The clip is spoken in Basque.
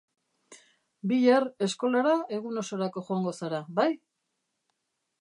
Bihar eskolara egun osorako joango zara, bai?